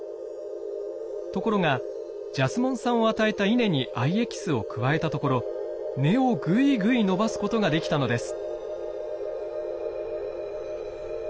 ところがジャスモン酸を与えたイネに藍エキスを加えたところ根をグイグイ伸ばすことができたのです。